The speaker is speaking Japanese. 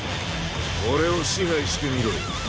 俺を支配してみろよ。